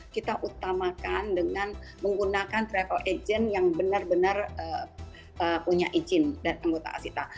kita utamakan dengan menggunakan travel agent yang benar benar punya izin dari anggota asita